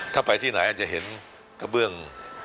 ถ้าไปที่ไหนอาจจะเห็นกระเบื้อง